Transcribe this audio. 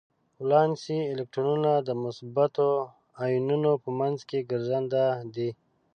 ولانسي الکترونونه د مثبتو ایونونو په منځ کې ګرځننده دي.